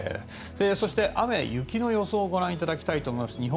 そして、雨、雪の予想をご覧いただきたいと思います。